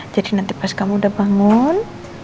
jadi nanti pas kamu udah bangun